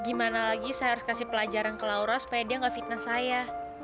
gimana lagi saya harus kasih pelajaran ke laura supaya dia nggak fitnah saya